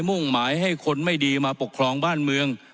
มุ่งหมายให้คนไม่ดีมาปกครองบ้านเมือง